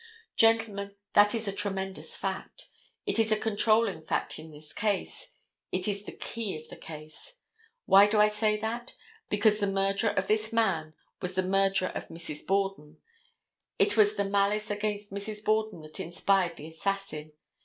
Gentlemen, that is a tremendous fact. It is a controlling fact in this case. It is the key of the case. Why do I say that? Because the murderer of this man was the murderer of Mrs. Borden. It was the malice against Mrs. Borden that inspired the assassin.